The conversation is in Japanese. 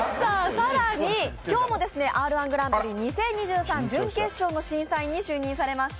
更に今日もＲ−１グランプリ準決勝の審査員に就任されました